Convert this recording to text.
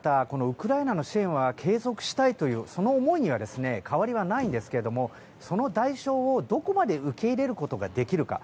ウクライナの支援は継続したいという思いに変わりはないですがその代償をどこまで受け入れることができるか。